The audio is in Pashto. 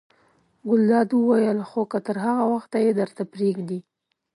ګلداد وویل: خو که تر هغه وخته یې درته پرېږدي.